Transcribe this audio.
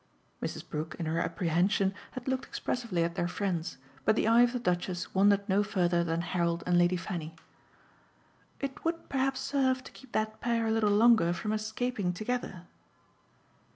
Mrs. Brook, in her apprehension, had looked expressively at their friends, but the eye of the Duchess wandered no further than Harold and Lady Fanny. "It would perhaps serve to keep that pair a little longer from escaping together."